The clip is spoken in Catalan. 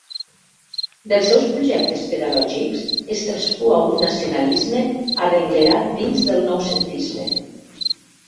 Dels seus projectes pedagògics es traspua un nacionalisme arrenglerat dins del Noucentisme.